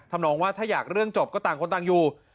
นองว่าถ้าอยากเรื่องจบก็ต่างคนต่างอยู่